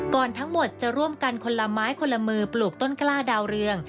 ทั้งหมดจะร่วมกันคนละไม้คนละมือปลูกต้นกล้าดาวเรือง